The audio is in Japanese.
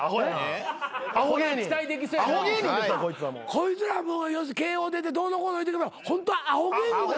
こいつら慶應出てどうのこうの言うてるけどホントはアホ芸人。